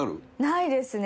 ないですね。